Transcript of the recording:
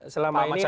selama ini ada